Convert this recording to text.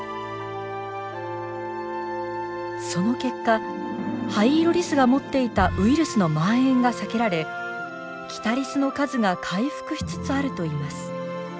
その結果ハイイロリスが持っていたウイルスの蔓延が避けられキタリスの数が回復しつつあるといいます。